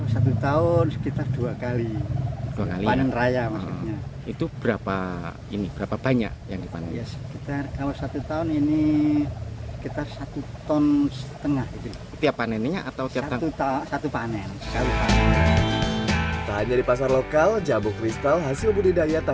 satu tahun sekitar dua kali panen raya maksudnya